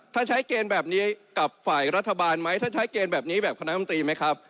ถ้าใช้เกณฑ์แบบนี้กับฝ่ายรัฐบาลไหมถ้าใช้เกณฑ์แบบนี้แบบคณะมนตรีไหมครับ